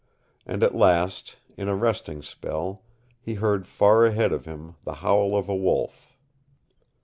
And at last, in a resting spell, he heard far ahead of him the howl of a wolf.